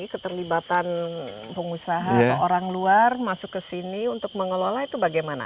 keterlibatan pengusaha atau orang luar masuk ke sini untuk mengelola itu bagaimana